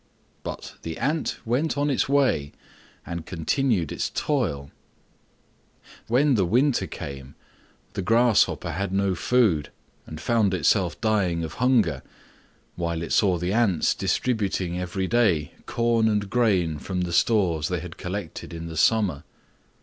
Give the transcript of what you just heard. But the Ant went on its way and continued its toil. Then the winter came the Grasshopper had no food, and found itself dying of hunger, while it saw the ants distributing every day corn and grain from the stores they had collected in the summer.